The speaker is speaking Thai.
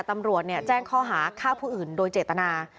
ตำรวจแจ้งข้อหาฆ่าผู้อื่นโดยเจตนา